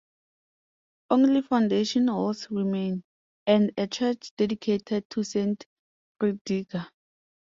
Only foundation walls remain, and a church dedicated to Saint Brigida.